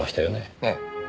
ええ。